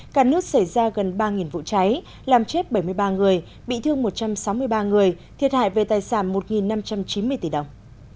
cả nước xảy ra gần ba vụ cháy làm chết bảy mươi ba người bị thương một trăm sáu mươi ba người thiệt hại về tài sản một năm trăm chín mươi tỷ đồng